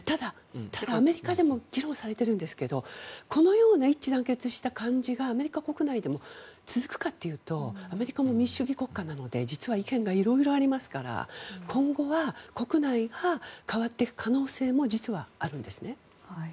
ただ、アメリカでも議論されているんですがこのような一致団結した感じがアメリカ国内でも続くかというとアメリカも民主主義国家なので実は意見が色々ありますから今後は国内が変わっていく可能性も実はあるんですね。